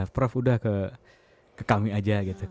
prof sudah ke kami saja gitu